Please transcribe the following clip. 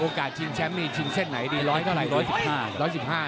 โอกาสชิงแชมป์นี้ชิงเส้นไหนดี๑๐๐เท่าไหร่๑๑๕เนี่ย